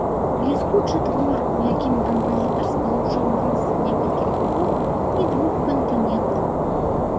Бліскучы твор, у якім кампазітар спалучыў рысы некалькіх эпох і двух кантынентаў.